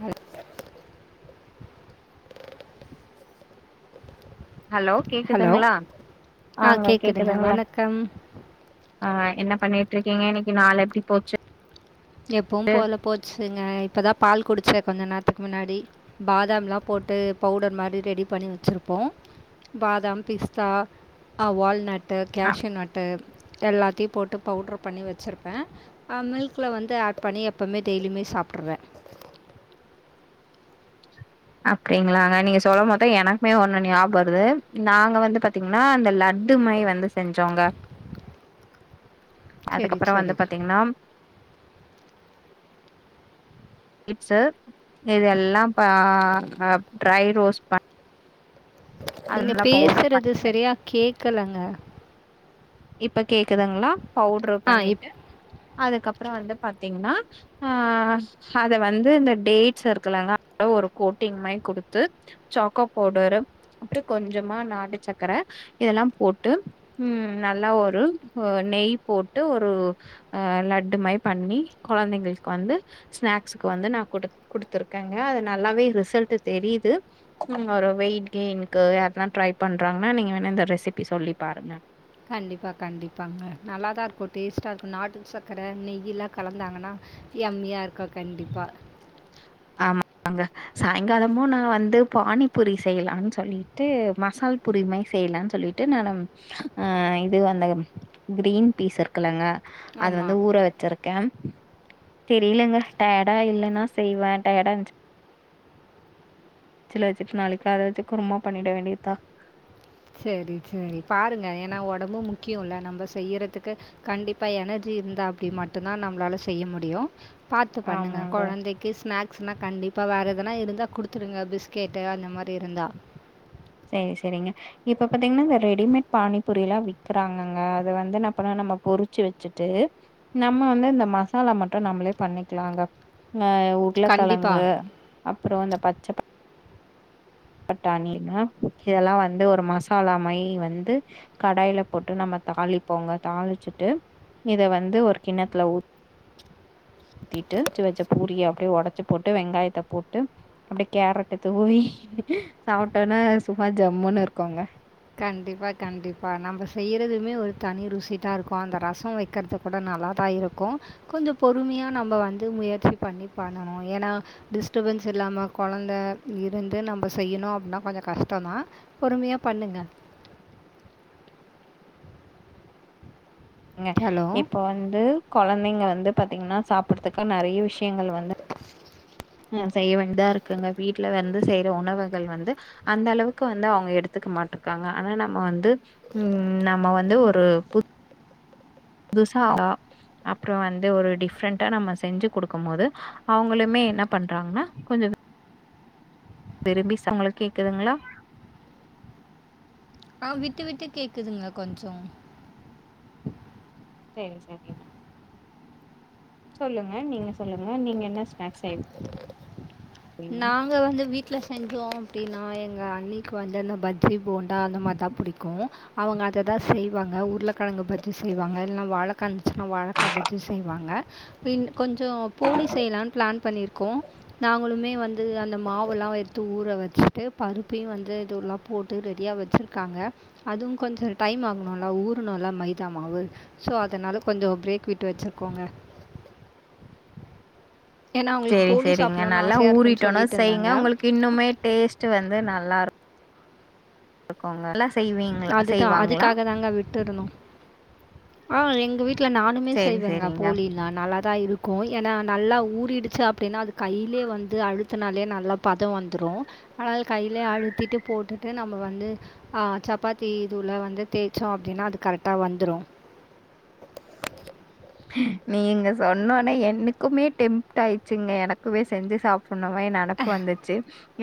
அம் hello hello கேக்குதுங்ளா ஆ அஆங்க கேட்குதுங்க கேக்குதுங்ள வணக்கம் ஆ என்ன பண்ணிட்டு இருக்கீங்க இன்னைக்கு நாள் எப்டி போச்சு எப்பவும் போல போச்சுங்க இப்பதான் பால் குடிச்ச கொஞ்சம் நேரத்துக்கு முன்னாடி பாதாம்லா போட்டு பவுடர் மாரி ரெடி பண்ணி வெச்சிருப்போ பாதாம் பிஸ்தா அ வால்நட் டு கேஷு நட்டு போட்டு எல்லாத் திரு போட்டு பவுட்ரு பண்ணி வெச்சிருப்பே அ மில்க்ல வந் து ஆட் பண்ணி எப்பவ்மே டெய்லிமே சாப்ட்ருவே அப்டிங்களாங்க நீங்க சொல்லும் போதா எனக்குமே ஒண்ணு ஞாப வருது நாங்க வந்து பாத்தீங் ன்னா அந்த லட்டு மாரி வந்து செஞ்சோங்க [inaudible] சரி அதுக்கப்புற சரி வந்து பாத்தீங்கன்னா இப்ஸு இது எல்லாம் ம் ஆ அ ட்ரை ரோஸ் பண் அது நீங்க நல்லா பவுடர் பண்ணி பேசுறது செரியா கேக்கலங்க இப்ப கேக்குதுங்ளா பவுட்ரு ஆ இப்போ பண்ணிட்டு அதுக்கப்புறோ வந்து பாத்தீங்ன்னா அ அது வந்து இந்த டேட்ஸ் இருக்கலங்க அத ஒரு கோட்டிங் மாரி குடுத்து சாக்கோ பவுடரு அப்றோ கொஞ்சமா நாட்டு சக்கர இது எல்லா போட்டு ம் நல்லா ஒரு அ நெய் போட்டு ஒரு அ லட்டு மாயி பண்ணி குழந்தைங்ளுக் வந்து ஸ்நாக்ஸுக்கு வந்து நா குடு குடுத்துருக்கேங்க அது நல்லாவே ரிசல்டு தெரியிது ம் ஒரு வெயிட் கெய்னுக்கு யார்னா ட்ரை பண்றாங்கன்னா நீங்க வேணா இந்த ரெசிபி சொல்லி பாருங்க கண்டிப்பா கண்டிப்பாங்க நல்லாதா இருக்கு டேஸ்ட்டா இருக்கு நாட்டு சர்க்கர நெய்யில்லா கலந்தாங்கனா யம்மிய இருக்கு கண்டிப்பா ஆமாங்க சாய்ங்காலமு நா வந்து பானிபூரி செய்யலான் சொல்லிட்டு மசால் புரிமாற் செய்யலான் சொல்லி ட்டு நானு அ இது அந்த கிரீன் பீஸ் இருக்குலங்க அது ஆமா. வந்து ஊற வெச்சிருக்கே தெரியலெங்க டய்டா இல்லனா செய்வே டயடா இந்ச் ஃப்ரிட்ஜில வெச்சுட்டு நாளைக் கால வெச்சி குருமா பண்ணிட வேண்டியதா செரி செரி பாருங்க ஏனா ஒடம்பு முக்கியுல்ல நம்ப செய்யறதுக்கு கண்டிப்பா எனர்ஜி இருந்தா அப்டி மட்டுதா நம்மளால செய்ய முடியு பாத்து பண்ணுங்க ஆமாங்க. குழந்தைக் கு ஸ்நாக்ஸ்னா கண்டிப்பா வேற எதனா இருந்தா குடுத்துடுங்க பிஸ்கெட்டு அந்த மாரி இருந்தா சேர் செரிங்க இப்ப பாத்தீங்ன்னா இந்த ரெடிமேட் பானிபூரியெல்லா விக்கறாங்கங்க அது வந்து என்ன பா நம்ம பொறிச்சு வெச்சுட்டு நம்ம வந்து இந்த மசாலா மட்டு நம்மளே பண்ணிக்கலாங்க அ கண்டிப்பா. உருளக்கெழங்கு அப்புறோ இந்த பச்சப் பட்டாணி இதெல்லா வந்து ஒரு மசாலா மாயி வந்து கடாயில போட்டு நம்ம தாளிப்போங்க தாளிச்சுட்டு இத வந்து ஒரு கிண்ணத்துல ஊ த்திட்டு பொறிச்சு வெச்ச பூரிய அப்டே ஒடச்சு போட்டு வெங்காயத்த போட்டு அப்டே கேரட்ட தூவி சாப்ட்டோனா சும்மா ஜம்முன்னு இருக்கோங்க கண்டிப்பா கண்டிப்பா நம்ம செய்யறதுமே ஒரு தனி ருசிதா இருக்கு அந்த ரசோ வெய்க்கற்து கூட நல்லாதா இருக்கு கொஞ்சோ பொறுமையா நம்ம வந்து முயற்சி பண்ணி பண்ணணு ஏனா டிஸ்டபன்ஸ் இல்லாம கொழந்த இருந்து நம்ம செய்யணு அப்னா கொஞ்சோ கஷ்டந்தா பொறுமியா பண்ணுங்க ங்க ஹலோ? இப்போ வந்து கொழந்தைங்க வந்து பாத்தீங்ன்னா சாப்பற்துக்கு நெறைய விஷ்யங்கள் வந்து ஆ செய்ய வேண்டிதா இருக்குங்க வீட்ல வந்து செய்ற உணவுகள் வந்து அந்த அளவுக்கு வந்து அவுங்க எடுத்துக்க மாட்ருக்காங்க ஆனா நம்ம வந்து ம் நம்ம வந்து ஒரு பு துசா தா அப்புற வந்து ஒரு டிஃப்ரெண்டா நம்ம செஞ்சு கொடுக்கும் போது அவுங்களுமே என்ன பண்றாங்கனா கொஞ்ச விரும்பி ச உங்களுக்கு கேக்குதுங்களா ஆ விட்டு விட்டு கேக்குதுங்க கொஞ்ச சேரி சேரி டா சொல்லுங்க நீங்க சொல்லுங்க நீங்க என்ன ஸ்நாக்ஸ் செய்ய நாங்க வந்து வீட்ல செஞ்சோ அப்டினா எங்க அன்னிக்கு வந்து அந்த பஜ்ஜ போன் டா அந்த மாதிரிதா புடிக்கு அவுங்க அத தா செய்வாங்க உருளைக்கிழங்கு பஜ்ஜி செய்வாங்க இல்லைனா வாழைக்கா இருந்துச்சுன்னா வாழைக்கா பஜ்ஜி செய்வாங்க பின்டு கொஞ்ச போலி செய்யலான்னு பிளான் பண்ணி இருக்கோ நாங்களுமே வந்து அந்த மாவு எல்லா எத்து ஊற வச்சுட்டு பருப்பையு வந்து இதுல்லா போட்டு ரெடியா வச்சுருக்காங்க அதுவு கொஞ்ச டைம் ஆகணும்ல ஊறணும்ல மைதா மாவு சோ அதனால கொஞ்ச பிரேக் விட்டு வச்சிருக்கோங்க ஏன்னா அவங்களுக்கு சேரி போலி சேரிங்க சாப்பிட்ணுன்னு நல்லா ஆசையாக இருக்குதுன்னு ஊறிட்டோன சொல்லிட்டு செய்ங்க இருந்தாங்க உங்களுக்கு இன்னுமே டேஸ்ட் வந்து நல்லா இரு இருக்கோங்க நல்லா செய்வீங்களா அதுதான் செய்வாங்களா அதுக்காக தாங்க விட்டுருந்தோ ஆ எங்க வீட்ல நானுமே சேரி செய்வேங்க சேரிங்க போலி ந நல்லா தா இருக்கு ஏனா நல்லா ஊறிடுச்சு அப்டின்னா அது கையிலயே வந்து அழுத்துனாலே நல்லா பதம் வந்துரு ஆனால் கையிலயே அழுத்திட்டு போட்டுட்டு நம்ம வந்து ஆ சப்பாத்தி இது உள்ள வந்து தேச்சோ அப்டின்னா அது கரெக்டா வந்துரு நீங்க சொன்ன ஒட்னே எனக்குமே டெம்ட் ஆயிடுச்சுங்க எனக்குமே செஞ்சு சாப் சொன்ன மாரி நெனப்பு வந்துச்சு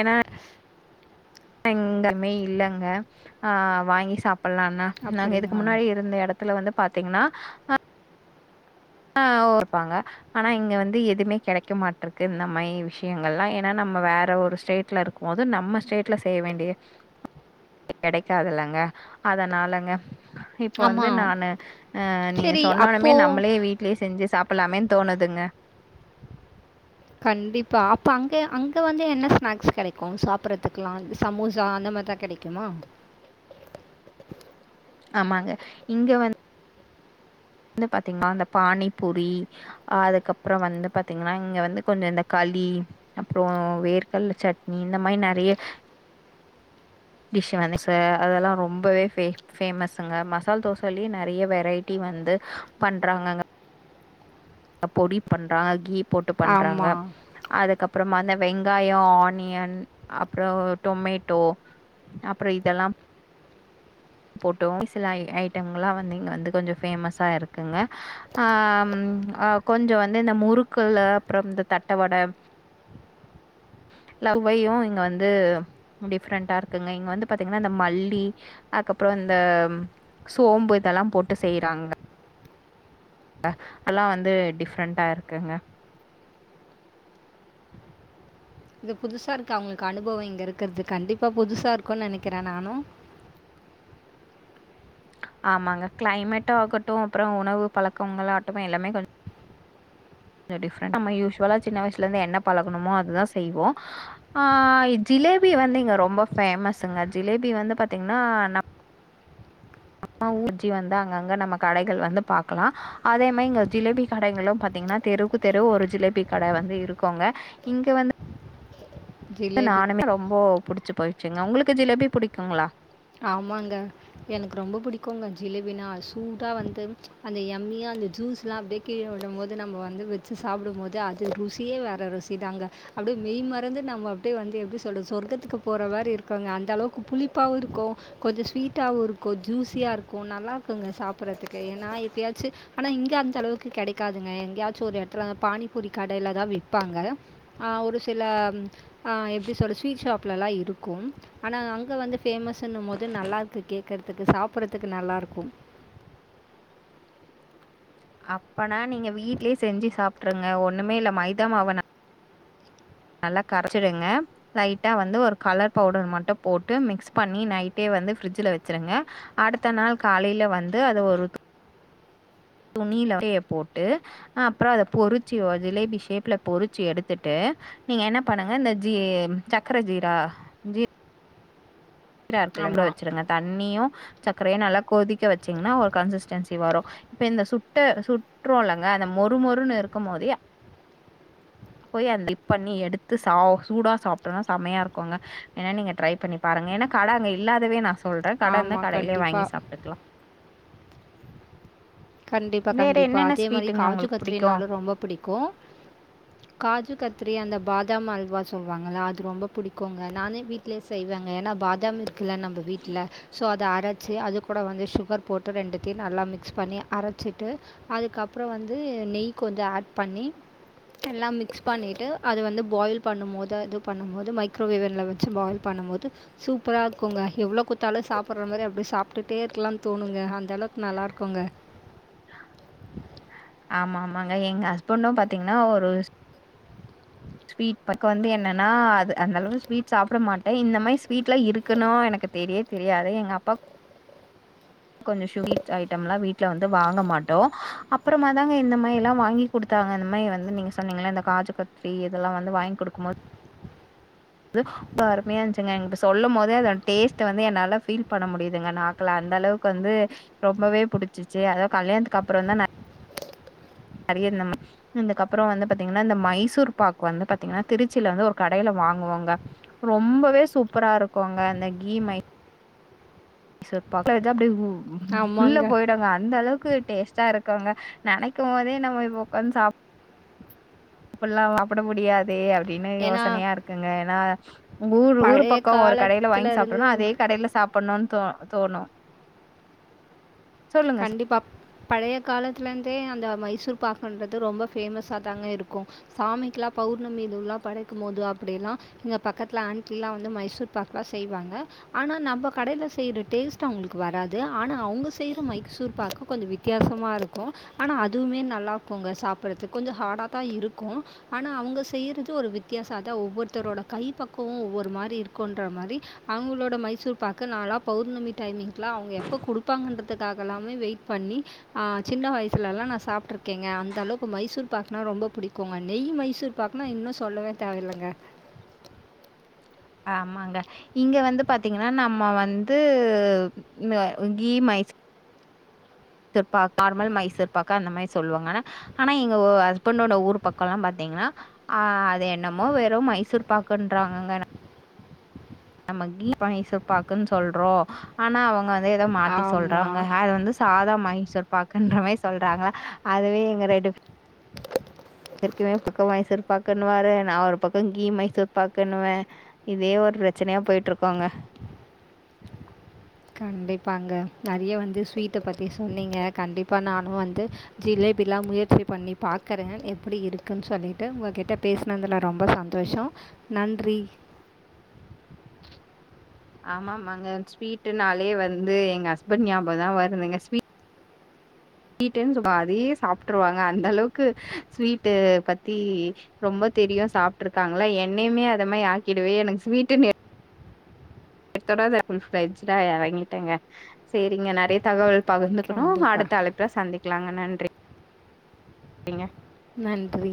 ஏனா எங்கயுமே இல்லங்க ஆ வாங்கி சாப்பிடலானா நாங்க இதுக்கு அப்படியா முன்னாடி இருந்த எடத் துல வந்து பாத்தீங்கன்னா அ ஆ ஒர்ப்பாங்க ஆனா இங்க வந்து எதுமே கெடைக்க மாட்ருக்கு இந்த மாயி விஷயங்கள்லா ஏனா நம்ம வேற ஒரு ஸ்டேட்ல இருக் கும் போது நம்ம ஸ்டேட்ல செய்ய வேண்டிய கெடைக்காதுலங்க அதனாலங்க இப்போ வந்து ஆமாம் நானு அ நீங்க சரி சொன்னோனமே அப்போது நம்மளே வீட் ட்லையே செஞ்சு சாப்பிடலாமேனு தோனுதுங்க கண்டிப்பா அப்ப அங்கே அங்க வந்து என்ன ஸ்நாக்ஸ் கெடைக்கு சாப்பிட்றதுக்குலா சமோசா அந்த மாரி தா கெடைக் கிமா ஆமாங்க இங்க வந் ந்து பாத்தீங்கன்னா அந்த பானிபூரி அதுக்கப்புற வந்து பாத்தீங்கன்னா இங்க வந்து கொஞ்ச இந்த கலி அப்புற வேர்கல்ல சட்னி இந்த மாயி நெறைய டிஷ் வந்து ச அதெல்லா ரொம்பவே ஃபே ஃபேமசுங்க மசால் தோசையிலயே நெறைய வெரைட்டி வந்து பண்றாங்கங்க பொடி பண்றாங்க கீ போட்டு பண்றாங்க ஆமாம் அதுக்கப்பறமா இந்த வெங்காய ஆனியன் அப்பறோ டொமேட்டோ அப்பற இதெல்லாம் போட்டோ விசி ல ஐ ஐ ட்ங்களா வந்து இங்க வந்து கொஞ்ச ஃபேமஸா இருக்குங்க ஆ ம் ஆ கொஞ்ச வந்து இந்த முறுக்குல அப்புற இந்த தட்டவட லர்வையு இங்க வந்து டிஃப்ரெண்ட்டா இருக்குங்க இங்க வந்து பாத்தீங்கன்னா இந்த மல்லி அதுக்கப்புற இந்த சோம்பு இதெல்லா போட்டு செய்றாங் க அதல்லா வந்து டிஃப்ரெண்ட்டா இருக்குங்க இது புதுசா இருக்கு அவுங்களுக்கு அனுபவ இங்க இருக்குறது கண்டிப்பா புதுசா இருக்கு நெனக்கிறே நானு ஆமாங்க கிளைமேட் ஆகட்டு அப்புற உணவு பழக்கங்கள ஆகட்டு எல்லாமே கொஞ்ச கொஞ்ச டிஃப்ரெண்ட் நம்ம‌ யூஸ்வுலா சின்ன வயசுல இருந்து என்ன பழகுனமோ அதுதா செய்வோ ஆ ஜிலேபி வந்து இங்க ரொம்ப ஃபேமஸ்ங்க ஜிலேபி வந்து பாத்தீங்கன்னா ந ம்ம ஊர்ஜி வந்தா அங்கங்க நம்ம கடைகள் வந்து பாக்கலா அதே மாரி இங்க ஜிலேபி கடைகளு பாத்தீங்கன்னா தெருவுக்கு தெருவு ஒரு ஜிலேபி கட வந்து இருக்குங்க இங்க வந் து ஜிலேபி நானுமே ரொம்ப புடிச்சி போயிச்சுங்க உங்களுக்கு ஜிலேபி புடிக்குங்களா ஆமாங்க எனக்கு ரொம்ப புடிக்கும்ங்க ஜிலேபினா சூடா வந்து அந்த எம்மியா அந்த ஜூஸ்ல்லா அப்டியோ கீழ விழும் போது நம்ப வந்து வச்சு சாப்பிடும் போது அது ருசியே வேற ரு சி தாங்க அப்டியே மெய் மறந்து நம்ம அப்டியே வந்து எப்டி சொல்றது சொர்க்கத்துக்கு போற மாரி இருக்காங்க அந்த அளவுக்கு புளிப்பாவு இரு க்கு கொஞ்ச ஸ்வீட்டாவு இருக்கு ஜூஸியா இருக்கு நல்லாருக்குங்க சாப்புட்றதுக்கு ஏன்னா எப்பயாச்சு ஆனா இங்க அந்த அளவுக்கு கெடைக்காதுங்க எங்கேயாச்சு ஒரு எடத்துல பானிபூரி கடைல தா விப்பாங்க ஆ ஒரு சில ஆ எப்டி சொல்ல ஸ்வீட் ஷாப்புலலா இருக்கும் ஆனா அங்க வந்து ஃபேமஸ்ன்னு போது நல்லா இருக்கு கேக்குறதுக்கு சாப்புட்றதுக்கு நல்லாருக்கு அப்பனா நீங்க வீட்லயே செஞ்சு சாப்ட்டுருங்க ஒண்ணுமே இல்ல மைதாமாவ நல் நல்லா கரைச்சிடுங்க லைட்டா வந்து ஒரு கலர் பவுடர் மட்டு போட்டு மிக்ஸ் பண்ணி நைட்டே வந்து ஃப்ரிஜ்ல வச்சிருங்க அடுத்த நாள் காலையில வந்து அத ஒரு துணியில போட்டு அ அப்புற அத பொறிச்சி ஜிலேபி ஷேப்ல பொறிச்சு எடுத்துட்டு நீங்க என்ன பண்ணுங்க இந்த ஜீ சக்கர ஜீரா ஜீ ஜீரா இருக்குல்லங்வுற ஆமாம் வச்சிருங்க தண்ணியு சர்கரையு நல்லா கொதிக்க வச்சீங்கன்னா ஒரு கன்சிஸ்டன்சி வரு இப்ப இந்த சுட்ட சுற்றோல்லங்க அந்த மொறு மொறுன்னு இருக்கும் போதே போய் அதுல டிப்பண்ணி எடுத்து சா சூடா சாப்ட்டோனா செமையா இருக்குங்க ஏன்னா நீங்க ட்ரை பண்ணி பாருங்க ஏன்னா கட அங்க இல்லாதவே நா சொல்றே கட இருந்து ஆமாம் கடையிலே வாங்கி கண்டிப்பாக சாப்ட்டுக்கலா கண்டிப்பா வேற கண்டிப்பா என்னென்ன அதே மாரி ஸ்வீட்டுங்க காஜு உங்களுக்கு புடிக்கு கத்ரினாலு ரொம்ப பிடிக்கு காஜு கத்திரி அந்த பாதாம் அல்வா சொல்லுவாங்களா அது ரொம்ப புடிக்குங்க நானே வீட்டு் லயே செய்வங்க ஏன்னா பாதாம் இருக்குல்ல நம்ம வீட்டில சோ அத அரச்சி அது கூட வந்து சுகர் போட்டு ரெண்டுத்தயு நல்லா மிக்ஸ் பண்ணி அரச்சிட்டு அதுக்கப்புற வந்து நெய் கொஞ்ச ஆட் பண்ணி எல்லா மிக்ஸ் பண்ணிட்டு அது வந்து பாயில் பண்ணும் போது அது பண்ணும்போது மைக்ரோவேவன்ல வச்சு பாயில் பண்ணும் போது சூப்பரா இருக்குங்க எவ்வளோ குத்தாலு சாப்புடுற மாரி அப்டி சாப்ட்டுட்டே இருக்கலானு தோணுங்க அந்த அளவுக்கு நல்லா இருக்குங்க ஆமா ஆமாங்க எங்க ஹஸ்பண்டு பாத்தீங்கன்னா ஒரு ஸ்வீட் பக்க வந்து என்னன்னா அது அந்தளவு ஸ்வீட் சாப்ட மாட்டே இந்த மாரி ஸ்வீட்லா இருக்கணு எனக்கு தெரியே தெரியாது எங்க அப்பா இன் ஆடியபல் கொஞ்ச சுவீட் ஐட்டம்ல்லா வீட்டுல வந்து வாங்க மாட்டோ அப்புறமா தாங்க இந்த மாரி எல்லா வாங்கி குடுத்தாங்க இந் மாரி வந்து நீங்க சொன்னீங்கல இந்த காஜு கத்ரி இதெல்லா வந்து வாய்ங் குடுக்கும் போது அது அருமையா இருந்துச்சுங்க இப்ப சொல்லும் போதே அதோட டேஸ்ட் வந்து என்னால ஃபீல் பண்ண முடியுதுங்க நா க்குல அந்த அளவுக்கு வந்து ரொம்பவே புடிச்சிருச்சு அதோ கல்யாணத்துக்கு அப்புற தா அறிய நம்ம அதுக்கப்புறோ வந்து பாத்தீங்கன்னா இந்த மைசூர் பார்க் வந்து பாத்தீங்கன்னா திருச்சியில வந்து ஒரு கடையில வாங் குவாங்க ரொம்பவே சூப்பரா இருக்குங்க அந்த கீ மை சூர் பாக்குல அத அப்டியே உ உள்ள ஆமாங்க போய்டுங்க அந்த அளவுக்கு டேஸ்ட் டா இருக்குங்க நனைக்கும் போதே நம்ம இப்ப உக்காந்து சாப் அப்பல்லா சாப்பட முடியாது அப்டின்னு ஏன்னா யோசனையா இருக்குங்க ஏன்னா உங்க ஊர் ஊர் பழைய பக்கோ ஒரு கடையில வாங்கி காலத்தில் இருந்து சாப்ட்டோனா அதே கடையில சாப் பன்னுன் தோ தோணு சொல்லுங்க சொ கண்டிப்பாக பழைய காலத்துலந்தே அந்த மைசூர் பார்க்குன்றது ரொம்ப ஃபேமஸாக தாங்க இருக்கு சாமிக்குலா பௌர்ணமி இதுலா படைக்கும் போது அப்டிலா எங்க பக்கத்துல ஆண்டில்லா வந்து மைசூர் பாக்லா செய்வாங்க ஆனா நம்ம கடையில செய்ற டேஸ்ட்டு அவுங்களுக்கு வராது ஆனா அவுங்க செய்ற மைக் சூர் பாக்கு கொஞ்ச வித்தியாசமா இருக்கு ஆனா அதுமே நல்லா இக்குங்க சாப்றதுக்கு கொஞ்சோ ஹார்டா தா இருக்கு ஆனா அவுங்க செய்றது ஒரு வித்தியாசோ அதா ஒவ்வொருத்தரோட கை பக்குவோ ஒவ்வொரு மாரி இருக்குன்ற மாரி அவுங்ளோட மைசூர் பாக்கு நாலா பௌர்ணமி டைமிங்க்லா அவுங்க எப்ப குடுப்பாங்கன்றதுக்காக எல்லாமே வெயிட் பண்ணி ஆ சின்ன வயசுலல்லா நா சாப்ட்டுருக்கேங்க அந்தளவுக்கு மைசூர் பாக்குனா ரொம்ப புடிக்குங்க நெய் மைசூர் பாக்னா இன்னு சொல்லவே தேவயில்லங்க ஆமாங்க இங்க வந்து பாத்தீங்கன்னா நம்ம வந்து key Mysore pak normal Mysore பாக்கா அந்த மாரி சொல்லுவாங்கானா ஆனா நீங்க ஒ ஹஸ்பண்டோட ஊர் பக்கல்லா பார்த்தீங்கனா அ அது என்னமோ வெறும் மைசூர் பாக்குன்றாங்கங்க நம்ம கீ மைசூர் பாக்குன் சொல்றோ ஆனா அவுங்க வந்து ஏதோ மாத்தி சொல்றாங்க ஆமாம் அது வந்து சாதா மைசூர் பாக்குன்ற மாரி சொல்றாங்ளா அதுவே எங்க ரெண்டு பே ர்க்குமே பக்கோ மைசூர் பாக்குன்ணுவாரு நா ஒரு பக்கோ கீ மைசூர் பாக்குன்ணுவே இதே ஒரு பிரச்சனையா போயிட்ருக்கோங்க கண்டிப்பாங்க நறைய வந்து ஸ்வீட்ட பத்தி சொன்னீங்க கண்டிப்பா நானு வந்து ஜிலேபிலா முயற்சி பண்ணி பார்க்கற எப்டி இருக்குன் சொல்லிட்டு உங்க கிட்ட பேச னதுல ரொம்ப சந்தோஷோ நன்றி ஆமாமாங்க ஸ்வீட்டு நாலே வந்து எங்க ஹஸ்பண்ட் ஞாபக தா வருதுங்க ஸ்வீட் ஸ்வீட்ன் சும்மா அதே சாப்ட்டுருவாங்க அந்த அளவுக்கு ஸ்வீட்டு பத்தி ரொம்ப தெரியு சாப்ட்ருக்காங்ளா என்னையுமே அத மாரி ஆக்கிடுவே எனக்கு ஸ்வீட்டுனு எடுத்தத்தோட நா ஃபுல் ஃபிளெட்ஜ்டா எறங்கிட்டங்க சேரிங்க நெறைய தகவல் பகிர்ந்துகணு கண்டிப்பாக அடுத்த அழைப் புல சந்திக்லாங்க நன்றிங்க நன்றி